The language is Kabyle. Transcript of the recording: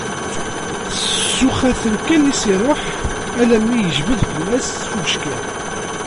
S uxatel kan i as-iṛuḥ allammi yejbed fell-as s ubeckiḍ.